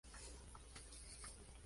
Entraron en el sitio y le enterraron.